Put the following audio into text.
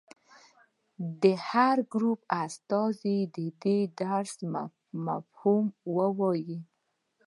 د هر ګروپ استازي دې د درس مفهوم ووايي.